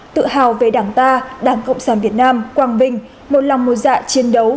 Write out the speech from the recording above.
tự hào về đảng ta đảng cộng sản việt nam quang vinh một lòng mùa dạ chiến đấu